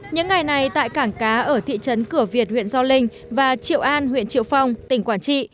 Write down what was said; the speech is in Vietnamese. những ngày này tại cảng cá ở thị trấn cửa việt huyện gio linh và triệu an huyện triệu phong tỉnh quảng trị